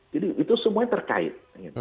jadi itu semuanya terkait